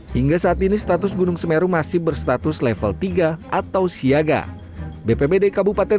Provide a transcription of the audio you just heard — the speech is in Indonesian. hingga saat ini status gunung semeru masih berstatus level tiga atau siaga bpbd kabupaten